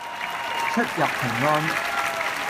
出入平安